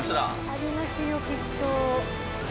ありますよきっと。